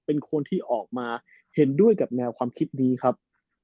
เป็นคนที่ออกมาเห็นด้วยกับแนวความคิดนี้ครับ